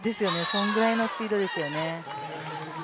そのくらいのスピードですよね。